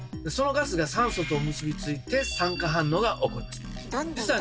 そのガスが酸素と結びついて酸化反応がおこります。